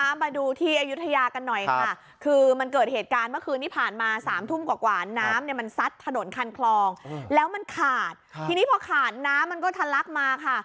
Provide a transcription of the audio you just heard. มาดูที่อายุทยากันหน่อยค่ะคือมันเกิดเหตุการณ์เมื่อคืนที่ผ่านมาสามทุ่มกว่ากว่าน้ำเนี่ยมันซัดถนนคันคลองแล้วมันขาดทีนี้พอขาดน้ำมันก็ทะลักมาค่ะ